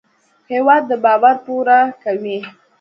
هېواد د باور پوره کوي.